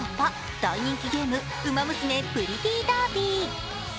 大人気ゲーム「ウマ娘プリティーダービー」。